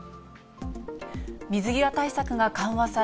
水際対策が緩和され、